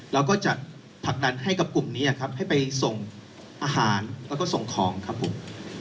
แล้วก็จะผลักดันให้กับกลุ่มนี้ครับให้ไปส่งอาหารแล้วก็ส่งของครับผม